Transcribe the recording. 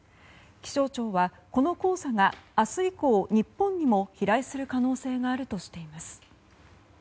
気象庁はこの黄砂が明日以降日本にも飛来する可能性があるとしています。